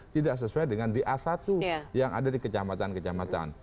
tidak sesuai dengan da satu yang ada di kecamatan kecamatan